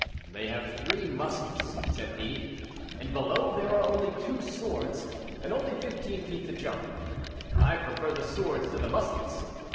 "They have three muskets," said he; "and below there are only two swords, and only fifteen feet to jump; I prefer the swords to the muskets."